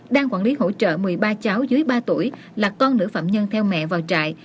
đang quản lý hỗ trợ một mươi ba cháu dưới ba tuổi là con nữ phạm nhân theo mẹ vào trại